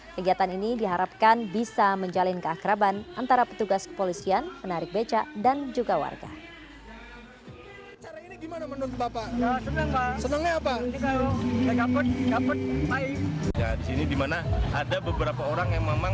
kegiatan ini diharapkan bisa menjalin keakraban antara petugas kepolisian penarik becak dan juga warga